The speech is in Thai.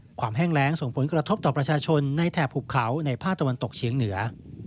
แห้งแรงส่งผลกระทบต่อประชาชนในแถบหุบเขาในภาคตะวันตกเฉียงเหนือ